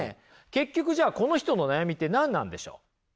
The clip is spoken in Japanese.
結局じゃあこの人の悩みって何なんでしょう？